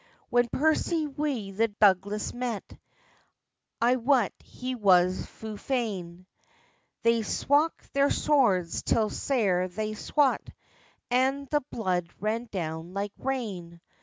When Percy wi the Douglas met, I wat he was fu fain! They swakked their swords, till sair they swat, And the blood ran down like rain.